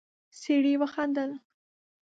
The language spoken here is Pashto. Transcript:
سړی وخندل.